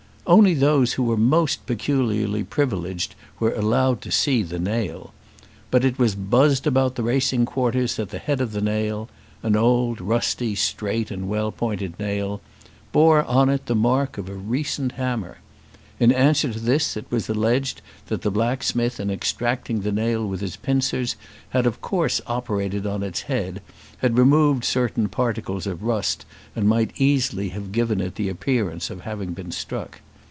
Only those who were most peculiarly privileged were allowed to see the nail. But it was buzzed about the racing quarters that the head of the nail, an old rusty, straight, and well pointed nail, bore on it the mark of a recent hammer. In answer to this it was alleged that the blacksmith in extracting the nail with his pincers, had of course operated on its head, had removed certain particles of rust, and might easily have given it the appearance of having been struck.